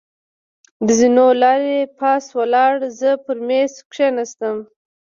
د زېنو له لارې پاس ولاړ، زه پر مېز کېناستم.